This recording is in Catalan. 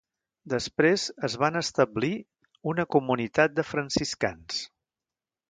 Després es van establir una comunitat de franciscans.